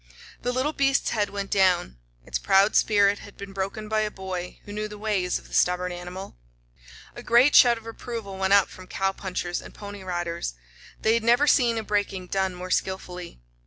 The little beast's head went down. Its proud spirit had been broken by a boy who knew the ways of the stubborn animal. A great shout of approval went up from cowpunchers and Pony Riders. They had never seen a breaking done more skillfully.